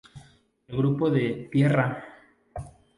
El grupo de "¡Tierra!